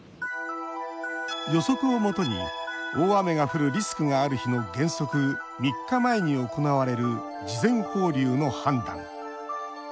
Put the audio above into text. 予測をもとに大雨が降るリスクがある日の原則３日前に行われる事前放流の判断。